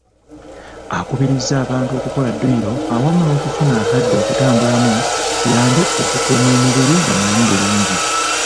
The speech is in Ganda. Akubirizza abantu okukola dduyiro awamu n'okufuna akadde okutambulamu kiyambe okukuuma omubiri nga mulamu bulungi.